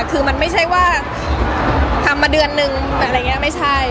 คือมันไม่ใช่ว่าทำมาเดือนหนึ่งอะแบบนี้ไม่ใช่